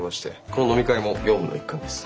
この飲み会も業務の一環です。